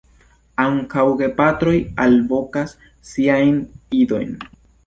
Ankaŭ gepatroj alvokas siajn idojn.